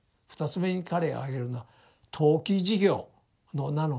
２つ目に彼が挙げるのは投機事業の名の下にですね